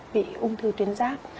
bị ung thư tuyến giáp